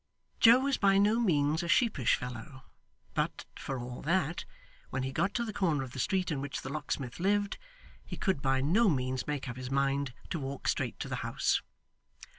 Joe was by no means a sheepish fellow, but, for all that, when he got to the corner of the street in which the locksmith lived, he could by no means make up his mind to walk straight to the house.